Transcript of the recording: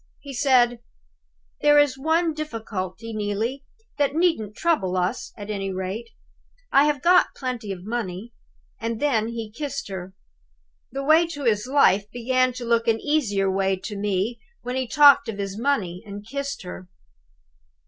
He said: 'There is one difficulty, Neelie, that needn't trouble us, at any rate. I have got plenty of money.' And then he kissed her. The way to his life began to look an easier way to me when he talked of his money, and kissed her.